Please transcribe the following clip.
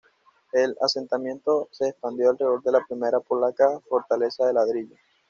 El asentamiento se expandió alrededor de la primera polaca fortaleza de ladrillo.